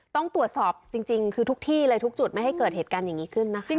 ต้องตรวจสอบจริงคือทุกที่เลยทุกจุดไม่ให้เกิดเหตุการณ์อย่างนี้ขึ้นนะคะ